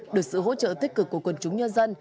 được sự hỗ trợ tích cực của quần chúng nhân dân